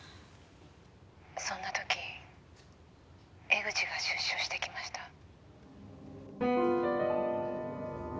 「そんな時江口が出所してきました」